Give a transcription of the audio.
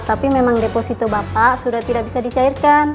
tapi memang deposito bapak sudah tidak bisa dicairkan